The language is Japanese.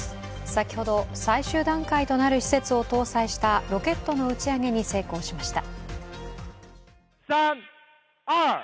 先ほど最終段階となる施設を搭載したロケットの打ち上げに成功しました。